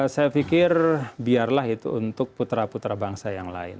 saya pikir biarlah itu untuk putra putra bangsa yang lain